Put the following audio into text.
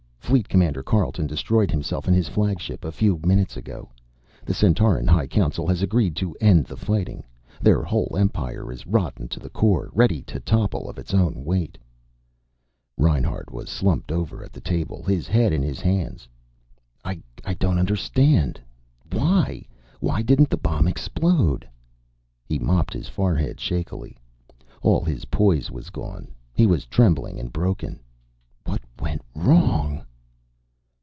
Fleet Commander Carleton destroyed himself and his flagship a few minutes ago. The Centauran High Council has agreed to end the fighting. Their whole Empire is rotten to the core. Ready to topple of its own weight." Reinhart was slumped over at the table, his head in his hands. "I don't understand.... Why? Why didn't the bomb explode?" He mopped his forehead shakily. All his poise was gone. He was trembling and broken. "_What went wrong?